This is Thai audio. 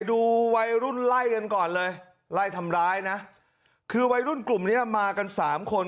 ดูวัยรุ่นไล่กันก่อนเลยไล่ทำร้ายนะคือวัยรุ่นกลุ่มเนี้ยมากันสามคน